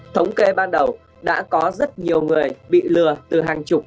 thống kê ban đầu đã có rất nhiều người bị lừa từ hàng chục